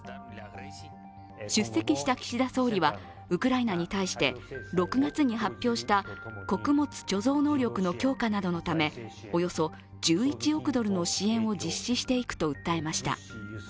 出席した岸田総理は、ウクライナに対して６月に発表した穀物貯蔵能力の強化などのためおよそ１１億ドルの支援を実施していくと訴えました。